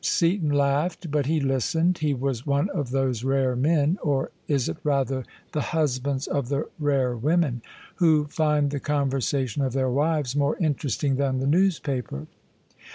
Seaton laughed but he listened. He was one of those rare men (or is it rather the husbands of the rare women?) who find the conversation of their wives more interesting than the newspaper.